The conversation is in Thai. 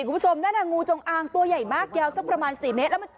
คุณผู้ชมนั่นน่ะงูจงอางตัวใหญ่มากยาวสักประมาณ๔เมตรแล้วมัน